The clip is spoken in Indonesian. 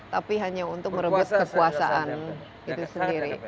tapi hanya untuk merebut kekuasaan itu sendiri